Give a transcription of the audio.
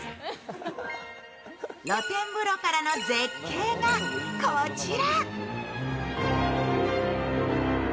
露天風呂からの絶景がこちら。